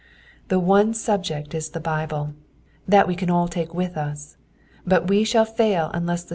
The one subject is the Bible, that we can all take wUh us, but we shall faU unless the